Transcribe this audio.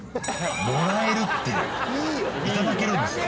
もらえるっていういただけるんですよ